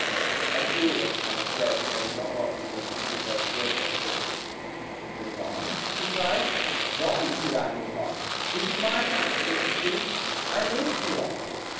A curious kind of dread of he knows not what begins to creep over Wilfred at this. 'Move on?' he cries, 'why should I move on? This is my house; don't you see? I live here.'